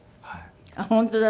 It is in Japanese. あっ本当だ。